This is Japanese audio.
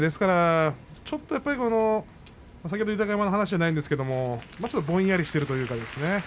ちょっとやっぱり豊山の話じゃないんですけれど、ちょっとぼんやりしているというかね